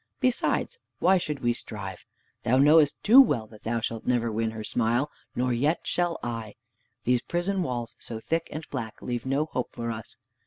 Besides, why should we strive? Thou knowest too well that thou shalt never win her smile, nor yet shall I! These prison walls so thick and black leave no hope for us.